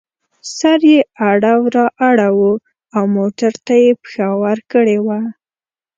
سر یې اړو را اړوو او موټر ته یې پښه ورکړې وه.